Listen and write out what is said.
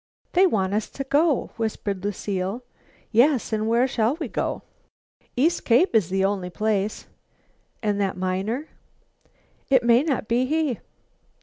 "They want us to go," whispered Lucile. "Yes, and where shall we go?" "East Cape is the only place." "And that miner?" "It may not be he."